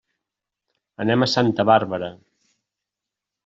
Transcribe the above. Anem a Santa Bàrbara.